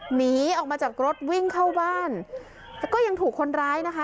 หนีออกมาจากรถวิ่งเข้าบ้านแต่ก็ยังถูกคนร้ายนะคะ